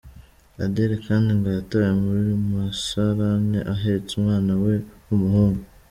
Adele kandi ngo yatawe mu musarane ahetse umwana we w’umuhungu.